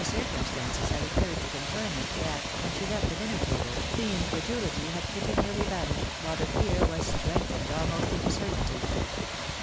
circumstances had occurred to confirm it, tha,t, when she left the dinner table, the incredulity had pretty nearly vanished, ■while the fear was strengthened almost into certainty.